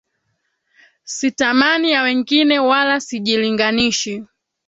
Sitamani ya wengine wala sijilinganishi.